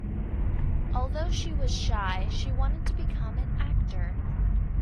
Although she was shy, she wanted to become an actor.